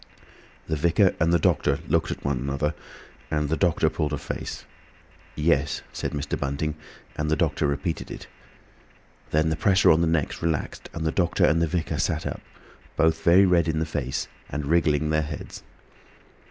The vicar and the doctor looked at one another, and the doctor pulled a face. "Yes," said Mr. Bunting, and the doctor repeated it. Then the pressure on the necks relaxed, and the doctor and the vicar sat up, both very red in the face and wriggling their heads.